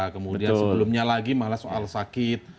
kemudian sebelumnya lagi malah soal sakit